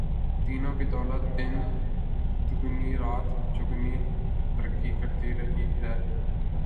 تینوں کی دولت دن دگنی رات چوگنی ترقی کرتی رہی ہے۔